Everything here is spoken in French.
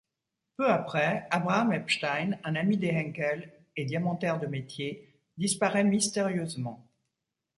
Peu après, Abraham Epstein, un ami des Henkel et diamantaire de métier, disparaît mystérieusement.